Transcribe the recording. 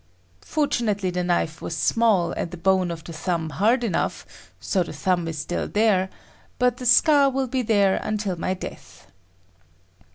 Fortunately the knife was small and the bone of the thumb hard enough, so the thumb is still there, but the scar will be there until my death.